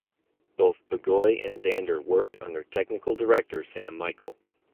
Both Bigois and Zander worked under Technical Director Sam Michael.